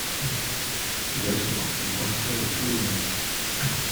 Il achète du pain frais tous les matins.